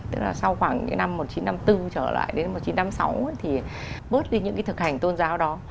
tức là sau khoảng những năm một nghìn chín trăm năm mươi bốn trở lại đến năm một nghìn chín trăm tám mươi sáu thì bớt đi những cái thực hành tôn giáo đó